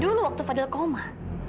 dulu waktu fadil koma